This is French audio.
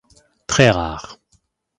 Très rare.